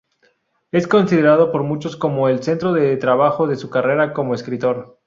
Es considerado por muchos como el centro de trabajo de su carrera como escritor.